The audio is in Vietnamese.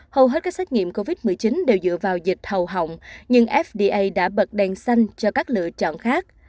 hầu hết các xét nghiệm covid một mươi chín đều dựa vào dịch hầu họng nhưng fda đã bật đèn xanh cho các lựa chọn khác